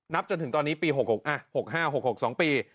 นับจนถึงตอนนี้ปี๑๙๖๕๑๙๖๒ปี